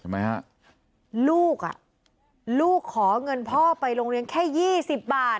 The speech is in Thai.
ทำไมฮะลูกอ่ะลูกขอเงินพ่อไปโรงเรียนแค่ยี่สิบบาท